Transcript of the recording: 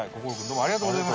ありがとうございます。